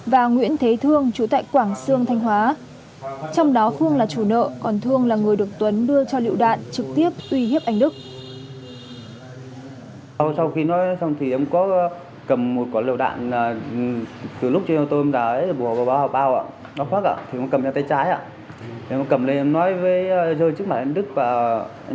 và nguyễn thế thương trú tại quảng sương thanh hóa